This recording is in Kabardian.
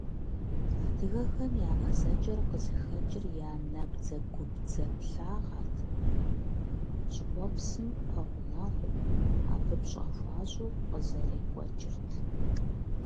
Адыгэхэм я ӀэзэкӀэр къызыхэкӀыр я набдзэгубдзаплъагъэрт, щӀыуэпсым пэгъунэгъуу, абы пщӀэ хуащӀу къызэрекӀуэкӀырт.